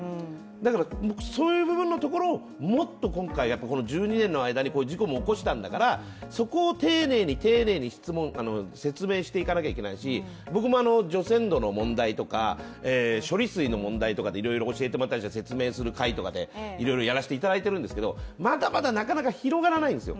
だからそういう部分のところをもっと今回１２年の間にこういう事故も起こしたんだから、そこを丁寧に説明していかなきゃいけないし僕も除染土の問題とか処理水の問題とかでいろいろ教えてもらったんです、説明する会とかでいろいろやらせてもらってるんですけどまだまだなかなか広がらないんですよ。